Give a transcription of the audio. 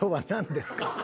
何ですか？